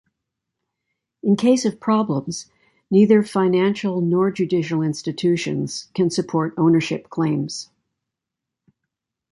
In case of problems, neither financial nor judicial institutions can support ownership claims.